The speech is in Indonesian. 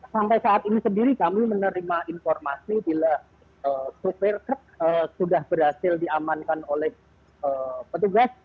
sampai saat ini sendiri kami menerima informasi bila sopir truk sudah berhasil diamankan oleh petugas